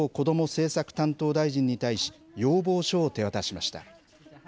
政策担当大臣に対し要望書を手渡しました。